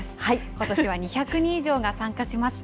ことしは２００人以上が参加しました。